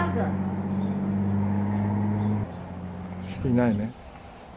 いないね。